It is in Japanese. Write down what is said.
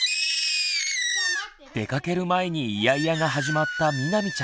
出かける前にイヤイヤが始まったみなみちゃん。